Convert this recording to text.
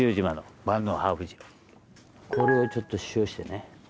これをちょっと塩してね。